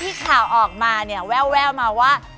ข่าวออกมาเนี่ยแววมาว่า